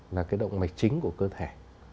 là cái động mạch chính của cơ thể